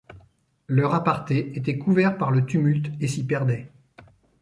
Leur aparté était couvert par le tumulte et s’y perdait.